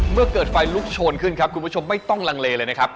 เมื่อเกิดไฟลุกโชนขึ้นครับคุณผู้ชมไม่ต้องลังเลเลยนะครับ